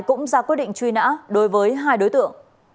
cũng ra quyết định truy nã đối với hai đối tượng